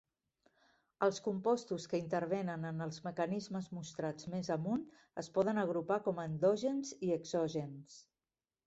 Els compostos que intervenen en els mecanismes mostrats més amunt es poden agrupar com a endògens i exògens.